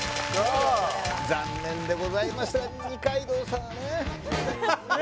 残念でございました二階堂さんがねえね